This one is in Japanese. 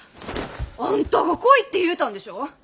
あんたが来いって言うたんでしょ！